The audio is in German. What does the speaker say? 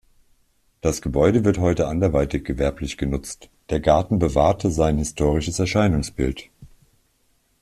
Das Gebäude wird heute anderweitig gewerblich genutzt, der Garten bewahrte sein historisches Erscheinungsbild.